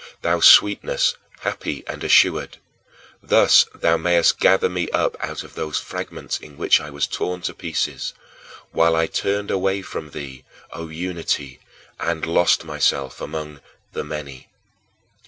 Thou sweetness happy and assured! Thus thou mayest gather me up out of those fragments in which I was torn to pieces, while I turned away from thee, O Unity, and lost myself among "the many."